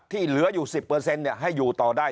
ที่เหลืออยู่๑๐ให้อยู่ต่อได้